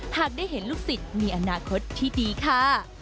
หากได้เห็นลูกศิษย์มีอนาคตที่ดีค่ะ